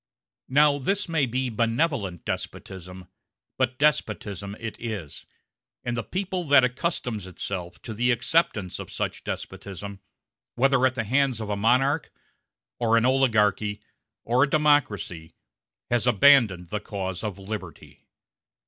Now this may be benevolent despotism, but despotism it is; and the people that accustoms itself to the acceptance of such despotism, whether at the hands of a monarch, or an oligarchy, or a democracy, has abandoned the cause of liberty.